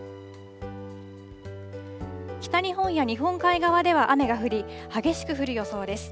北日本や日本海側では雨が降り、激しく降る予想です。